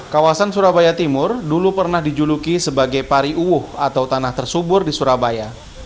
kawasan surabaya timur dulu pernah dijuluki sebagai pari uwuh atau tanah tersubur di surabaya